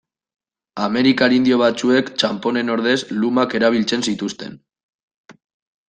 Amerikar indio batzuek txanponen ordez lumak erabiltzen zituzten.